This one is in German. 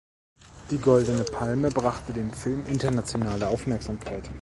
Die Goldene Palme brachte dem Film internationale Aufmerksamkeit.